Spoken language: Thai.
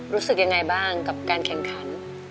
รู้สึกยังไงบ้างกับการแข่งขัน